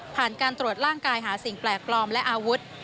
ผ่านการตรวจร่างกายหาสิ่งแปลกปลอมและอาวุธ